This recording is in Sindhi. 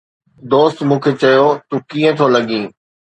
دوست مون کي چيو: ”تون ڪيئن ٿو لڳين؟